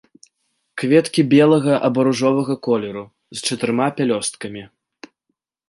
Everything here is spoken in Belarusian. Кветкі белага або ружовага колеру, з чатырма пялёсткамі.